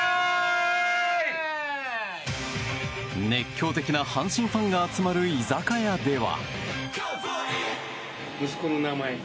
熱狂的な阪神ファンが集まる居酒屋では。